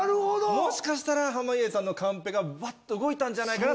もしかしたら濱家さんのカンペが動いたんじゃないかな。